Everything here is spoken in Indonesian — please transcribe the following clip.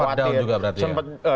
sempet down juga berarti ya